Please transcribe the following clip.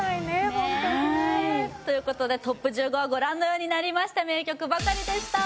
ホントにねということでトップ１５はご覧のようになりました名曲ばかりでした